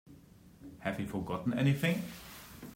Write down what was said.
Have we forgotten anything?